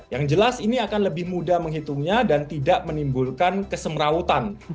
yang jelas ini akan lebih mudah menghitungnya dan tidak menimbulkan kesemrautan